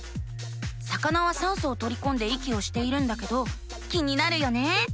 魚は酸素をとりこんで息をしているんだけど気になるよね。